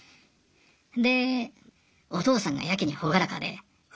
でお父さんがやけに朗らかで。